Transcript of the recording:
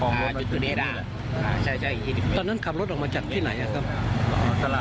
แล้วแฟนต้องรอมาผมก็ลุกขึ้นมา